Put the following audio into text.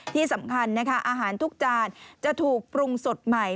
ที่สำคัญนะคะอาหารทุกจานจะถูกปรุงสดใหม่